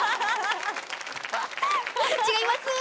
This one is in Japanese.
違います。